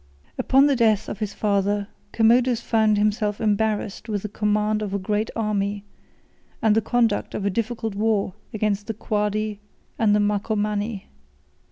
] Upon the death of his father, Commodus found himself embarrassed with the command of a great army, and the conduct of a difficult war against the Quadi and Marcomanni.